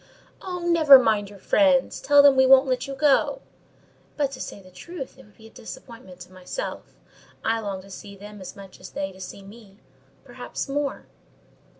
"Oh, never mind your friends! Tell them we won't let you go." "But, to say the truth, it would be a disappointment to myself: I long to see them as much as they to see me—perhaps more."